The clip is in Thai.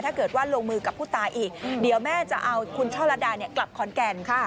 ถ้าเกิดว่าลงมือกับผู้ตายอีกเดี๋ยวแม่จะเอาคุณช่อลัดดากลับขอนแก่น